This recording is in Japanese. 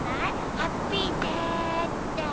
ハッピーデー！って。